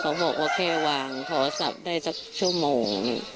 เขาบอกว่าแค่วางโทรศัพท์ได้สักชั่วโมง